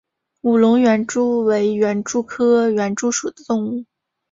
武隆园蛛为园蛛科园蛛属的动物。